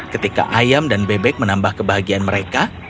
ketika ayam dan bebek menambah kebahagiaan mereka